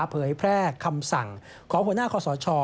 เผยแพร่คำสั่งของหัวหน้าคอสช